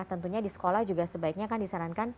tentunya di sekolah juga sebaiknya kan disarankan